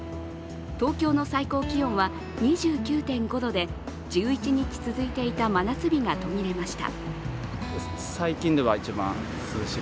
東京の最高気温は２９．５度で１１日続いていた真夏日が途切れました。